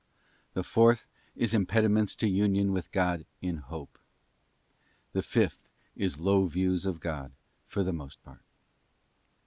223 The fourth is impediments to union with God in Hope. The fifth is low views of God for the most part.